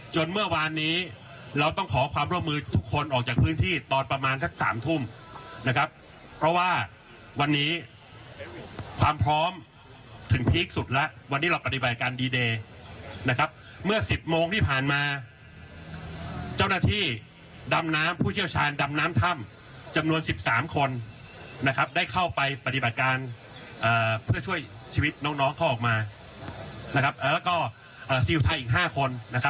เมื่อวานนี้เราต้องขอความร่วมมือทุกคนออกจากพื้นที่ตอนประมาณสักสามทุ่มนะครับเพราะว่าวันนี้ความพร้อมถึงพีคสุดแล้ววันนี้เราปฏิบัติการดีเดย์นะครับเมื่อ๑๐โมงที่ผ่านมาเจ้าหน้าที่ดำน้ำผู้เชี่ยวชาญดำน้ำถ้ำจำนวน๑๓คนนะครับได้เข้าไปปฏิบัติการเพื่อช่วยชีวิตน้องเขาออกมานะครับแล้วก็ซิลไทยอีก๕คนนะครับ